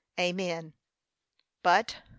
Amen! But, 4.